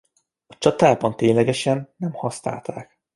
A csatában ténylegesen nem használták.